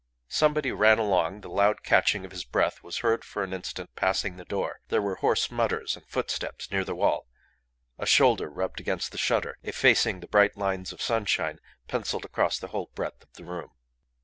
Somebody ran along; the loud catching of his breath was heard for an instant passing the door; there were hoarse mutters and footsteps near the wall; a shoulder rubbed against the shutter, effacing the bright lines of sunshine pencilled across the whole breadth of the room.